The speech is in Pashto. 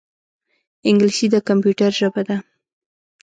انګلیسي د کمپیوټر ژبه ده